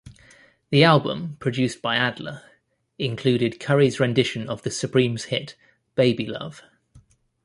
The album, produced by Adler, included Curry's rendition of the Supremes' hit "Baby Love".